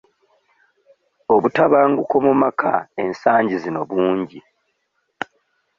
Obutabanguko mu maka ensangi zino bungi.